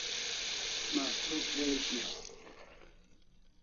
Mastruk dai shiau